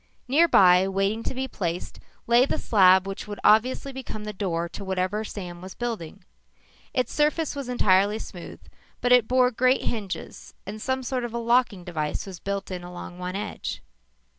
Nearby, waiting to be placed, lay the slab which would obviously become the door to whatever Sam was building. Its surface was entirely smooth, but it bore great hinges and some sort of a locking device was built in along one edge.